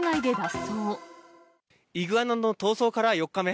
イグアナの逃走から４日目。